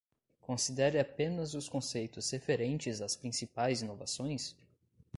Considere apenas os conceitos referentes às principais inovações?